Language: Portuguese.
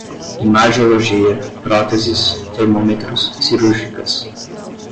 imagiologia, próteses, termômetros, cirúrgicas